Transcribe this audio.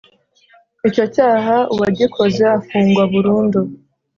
icyo cyaha uwagikoze afungwa burundu,